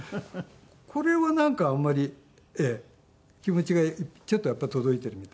これはなんかあんまり気持ちがちょっと届いているみたい。